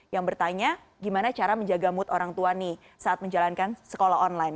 yang bertanya gimana cara menjaga mood orang tua nih saat menjalankan sekolah online